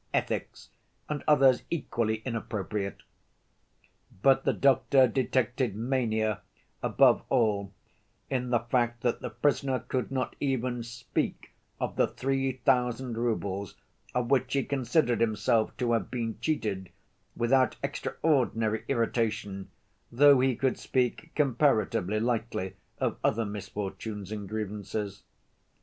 'Ethics!' and others equally inappropriate." But the doctor detected mania, above all, in the fact that the prisoner could not even speak of the three thousand roubles, of which he considered himself to have been cheated, without extraordinary irritation, though he could speak comparatively lightly of other misfortunes and grievances.